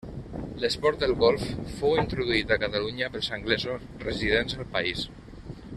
L'esport del golf fou introduït a Catalunya pels anglesos residents al país.